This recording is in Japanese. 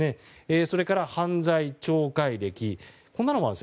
それから、犯罪・懲戒歴こんなのもあります。